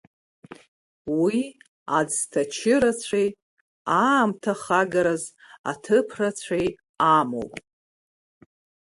Уи аӡҭарчы рацәеи, аамҭа хагараз аҭыԥ рацәеи амоуп.